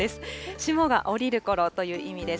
霜が降りるころという意味です。